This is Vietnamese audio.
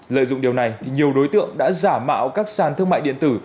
lợi dụng điều này thì nhiều đối tượng đã giả mạo các sàn thương mại điện tử